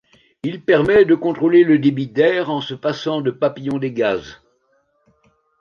Il permet de contrôler le débit d'air en se passant de papillon des gaz.